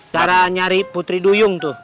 cara nyari putri duyung tuh